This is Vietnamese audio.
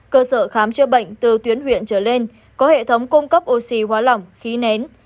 cơ sở khám chữa bệnh từ tuyến huyện trở lên có hệ thống cung cấp oxy hóa lỏng khí nén